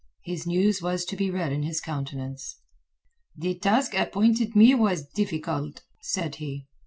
His news was to be read in his countenance. "The task appointed me was difficult," said he.